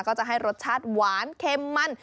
ก็จะให้รสชาติหวานเค็มมัน